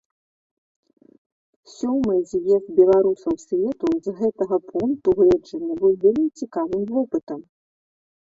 Сёмы з'езд беларусаў свету з гэтага пункту гледжання быў вельмі цікавым вопытам.